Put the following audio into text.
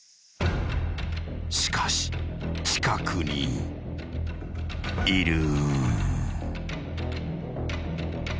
［しかし近くにいる］